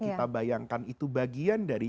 kita bayangkan itu bagian dari